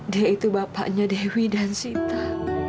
dia itu bapaknya dewi dan sita